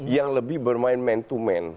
yang lebih bermain man to man